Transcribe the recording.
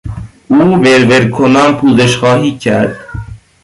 او ور ور کنان پوزش خواهی کرد.